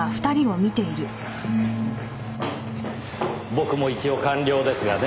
僕も一応官僚ですがね。